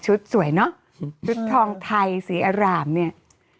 สวยเนอะชุดทองไทยสีอร่ามเนี่ย